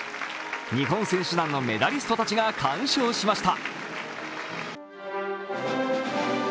日本選手団のメダリストたちが鑑賞しました。